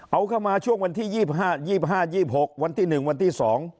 เอาเข้ามาช่วงวันที่๒๕๒๖วันที่๑วันที่๒